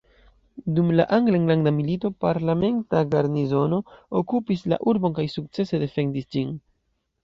Dum la angla enlanda milito parlamenta garnizono okupis la urbon kaj sukcese defendis ĝin.